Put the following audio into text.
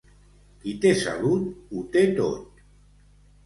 Qui té salut ho té tot.